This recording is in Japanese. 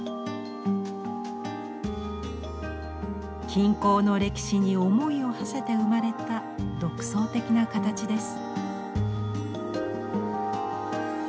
金工の歴史に思いをはせて生まれた独創的な形です。